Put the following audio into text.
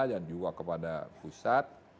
dan juga kepada pusat